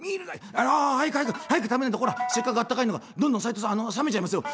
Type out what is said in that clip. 「ああ早く早く早く食べないとほらせっかくあったかいのがどんどん齋藤さん冷めちゃいますよ」。